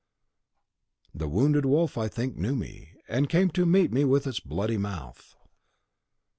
(The wounded wolf, I think, knew me, and came to meet me with its bloody mouth.)